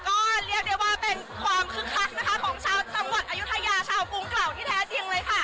ก็เรียกได้ว่าเป็นความคึกคักนะคะของชาวจังหวัดอายุทยาชาวกรุงเก่าที่แท้จริงเลยค่ะ